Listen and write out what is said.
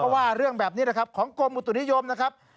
ว่าเรื่องแบบนี้นะครับของกรมอุตุนิยมนะครับ